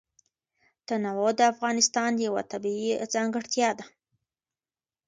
تنوع د افغانستان یوه طبیعي ځانګړتیا ده.